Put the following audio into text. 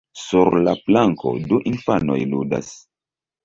Sur la planko, du infanoj ludas.